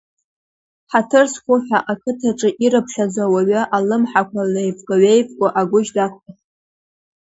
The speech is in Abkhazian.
Ҳаҭыр зқәу ҳәа ақыҭаҿы ирыԥхьаӡо ауаҩы, алымҳақәа леивга-ҩеивго агәыжь дақәтәахуп.